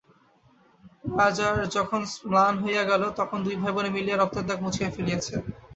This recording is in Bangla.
রাজার যখন স্নান হইয়া গেল, তখন দুই ভাইবোনে মিলিয়া রক্তের দাগ মুছিয়া ফেলিয়াছে।